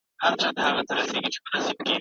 د نړيوالو قواعدو پېژندنه ډېره اړينه ده.